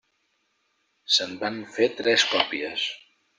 Se'n van fer tres còpies.